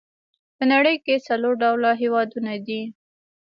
په نړۍ کې څلور ډوله هېوادونه دي.